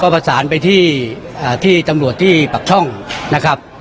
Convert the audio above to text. ประสานไปที่ตำรวจที่ปักช่องนะครับ